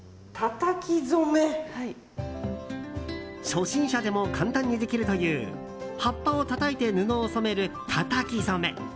初心者でも簡単にできるという葉っぱをたたいて布を染めるたたき染め。